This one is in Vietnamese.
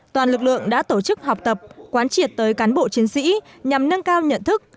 toàn lực lượng đã tổ chức học tập quán triệt tới cán bộ chiến sĩ nhằm nâng cao nhận thức